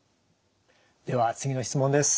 では次の質問です。